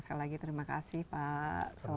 sekali lagi terima kasih pak soni